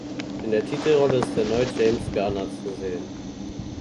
In der Titelrolle ist erneut James Garner zu sehen.